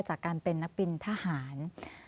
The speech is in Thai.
จากการเป็นนักบินทหาร